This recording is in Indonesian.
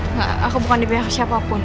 enggak aku bukan di pihak siapapun